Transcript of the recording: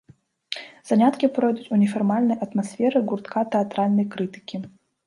Заняткі пройдуць у нефармальнай атмасферы гуртка тэатральнай крытыкі.